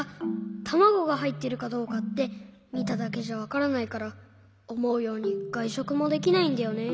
たまごがはいってるかどうかってみただけじゃわからないからおもうようにがいしょくもできないんだよね。